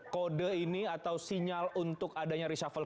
kode ini atau sinyal untuk adanya reshuffle